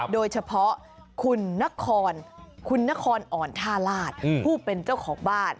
โดยเฉพาะคุณนครอ่อนท่าลาศผู้เป็นเจ้าของบ้าน